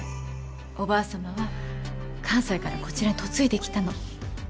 おばあさまは関西からこちらへ嫁いできたの。